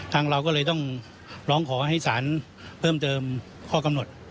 เราก็เลยต้องร้องขอให้สารเพิ่มเติมข้อกำหนด